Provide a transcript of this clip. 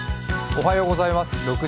おはようございます。